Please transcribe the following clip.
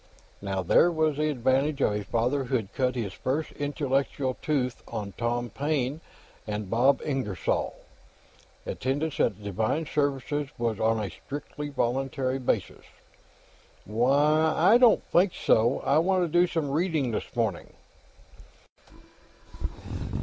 Now there was the advantage of a father who'd cut his first intellectual tooth on Tom Paine and Bob Ingersoll; attendance at divine services was on a strictly voluntary basis. "Why, I don't think so; I want to do some reading, this morning."